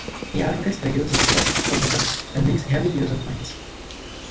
He advocates the use of thrusts over cuts and makes heavy use of feints.